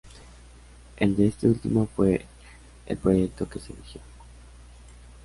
El de este último fue el proyecto que se eligió.